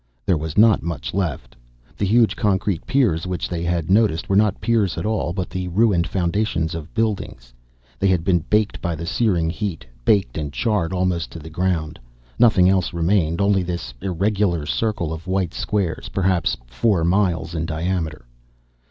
There was not much left. The huge concrete piers which they had noticed were not piers at all, but the ruined foundations of buildings. They had been baked by the searing heat, baked and charred almost to the ground. Nothing else remained, only this irregular circle of white squares, perhaps four miles in diameter.